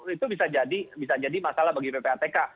itu bisa jadi masalah bagi ppatk